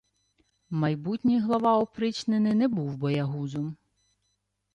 Майбутній глава опричнини не був боягузом